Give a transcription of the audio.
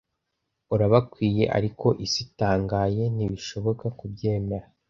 urabakwiye ariko isi itangaye ntishobora kubyemera